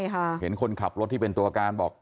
เห็นคนขับรถที่เป็นตัวการบอก